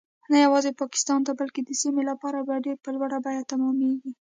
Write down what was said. نه یوازې پاکستان ته بلکې د سیمې لپاره به ډیر په لوړه بیه تمامیږي